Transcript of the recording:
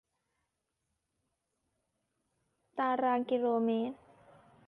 ตางรางกิโลเมตร